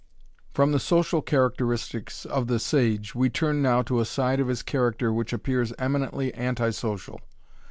From the social characteristics of the sage we turn now to a side of his character which appears eminently anti social.